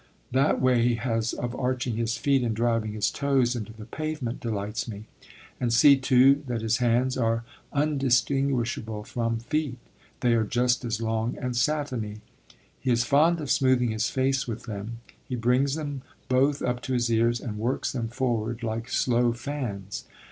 That way he has of arching his feet and driving his toes into the pavement delights me. And see, too, that his hands are undistinguishable from feet: they are just as long and satiny. He is fond of smoothing his face with them; he brings them both up to his ears and works them forward like slow fans.